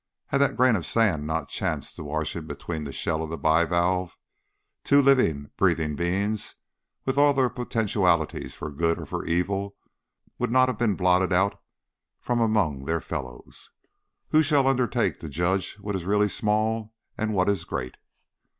Had that grain of sand not chanced to wash in between the shells of the bivalve, two living breathing beings with all their potentialities for good and for evil would not have been blotted out from among their fellows. Who shall undertake to judge what is really small and what is great?